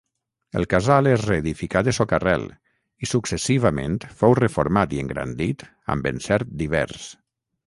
El casal es reedificà de soca-rel i successivament fou reformat i engrandit amb encert divers.